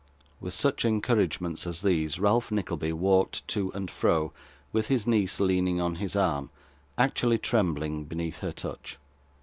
With such encouragements as these, Ralph Nickleby walked to and fro, with his niece leaning on his arm; actually trembling beneath her touch.